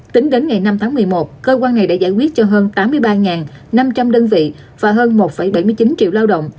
tính đến ngày năm tháng một mươi một cơ quan này đã giải quyết cho hơn tám mươi ba năm trăm linh đơn vị và hơn một bảy mươi chín triệu lao động